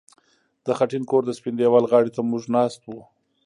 د خټین کور د سپین دېوال غاړې ته موږ ناست وو